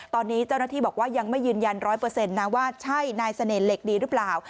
ตอนนี้เจ้าหน้าที่บอกว่ายังไม่ยืนยัน๑๐๐นะว่าใช่นายเสน่หลีกดีหรือเปล่า